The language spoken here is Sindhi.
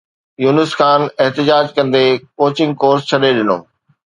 يونس خان احتجاج ڪندي ڪوچنگ ڪورس ڇڏي ڏنو